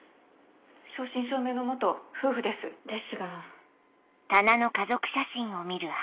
正真正銘の夫婦です。ですが。